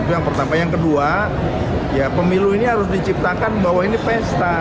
itu yang pertama yang kedua pemilu ini harus diciptakan bahwa ini pesta